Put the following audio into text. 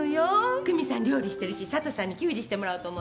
久美さん料理してるし佐都さんに給仕してもらおうと思って。